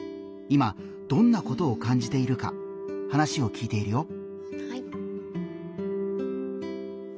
今どんなことを感じているか話を聞いているよ。